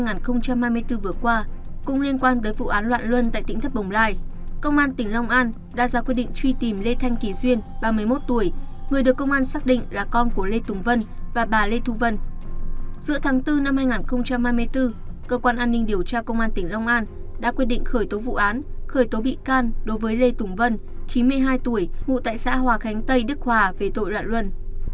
như vậy liên quan tới vụ án loạn luân này cơ quan công an hiện đang truy tìm bốn người nêu trên